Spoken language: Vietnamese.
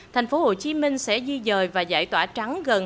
thành phố hồ chí minh sẽ di dời và giải tỏa tình hình